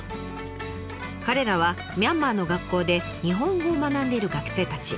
彼らはミャンマーの学校で日本語を学んでいる学生たち。